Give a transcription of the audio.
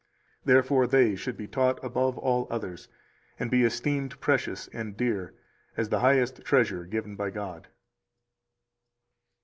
Therefore they should be taught above all others, and be esteemed precious and dear, as the highest treasure given by God.